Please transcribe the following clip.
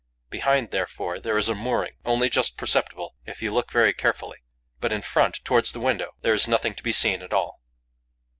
Behind, therefore, there is a mooring, only just perceptible, if you look very carefully; but, in front, towards the window, there is nothing to be seen at all.